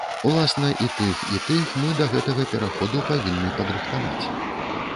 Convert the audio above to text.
Уласна і тых, і тых мы да гэтага пераходу павінны падрыхтаваць.